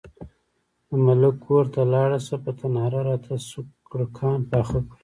د ملک کور ته لاړه شه، په تناره راته سوکړکان پاخه کړه.